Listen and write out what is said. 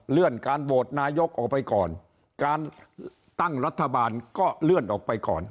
เลื่อนการโหวตนายกออกไปก่อนการตั้งรัฐบาลก็เลื่อนออกไปก่อน